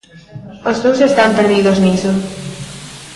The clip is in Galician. Os dous están perdidos niso.